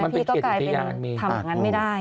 มันเป็นเขตอุทยานมันก็กลายเป็นถามงานไม่ได้